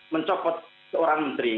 mencopot seorang menteri